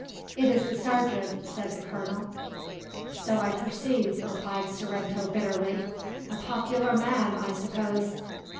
"It is the sergeant," said the Colonel. "So I perceive," replied Sorrento bitterly. "A popular man, I suppose.